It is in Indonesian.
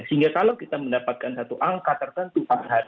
sehingga kalau kita mendapatkan satu angka tertentu